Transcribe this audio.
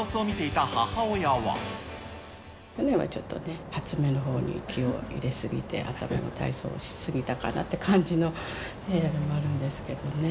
去年はちょっとね、発明のほうに気を入れ過ぎて、頭の体操をし過ぎたかなっていう感じのもあるんですけどね。